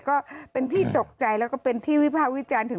ก็เป็นที่ตกใจแล้วก็เป็นที่วิภาควิจารณ์ถึง